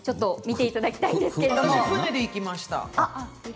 船で行きました。